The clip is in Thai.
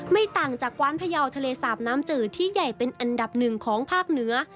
ไม่ต่างจากกว้านพยาวทะเลสาบน้ำจืดที่ใหญ่เป็นอันดับหนึ่งของภาคเหนือ